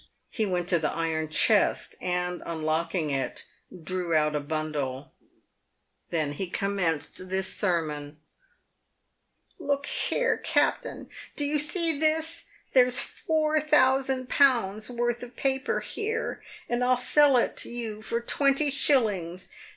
He went to the iron chest, and, unlocking it, drew out a bundle. 204 PAVED WITH GOLD. Then he commenced this sermon :—" Look here, captain ! do you see this ? There's four thousand pounds' worth of paper here, and I'll sell it you for twenty shillings.